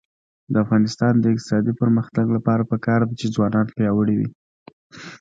د افغانستان د اقتصادي پرمختګ لپاره پکار ده چې ځوانان پیاوړي وي.